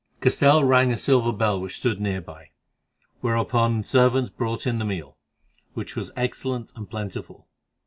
Castell rang a silver bell which stood near by, whereon servants brought in the meal, which was excellent and plentiful.